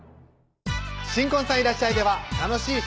新婚さんいらっしゃい！